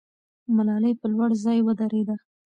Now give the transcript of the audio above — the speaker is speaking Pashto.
ملالۍ په لوړ ځای ودرېده.